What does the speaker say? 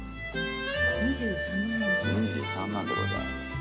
２３万でございます